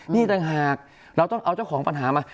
นี่ต่างหากเราต้องเอาเจ้าของปัญหามา